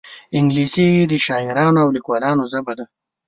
انګلیسي د شاعرانو او لیکوالانو ژبه ده